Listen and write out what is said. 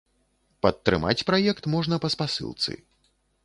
Падтрымаць праект можна па спасылцы.